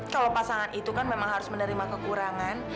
kalau pasangan itu kan memang harus menerima kekurangan